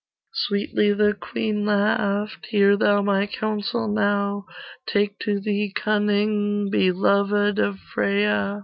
Sweetly the Queen laughed 'Hear thou my counsel now; Take to thee cunning, Beloved of Freya.